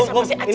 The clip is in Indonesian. siapa sih aceng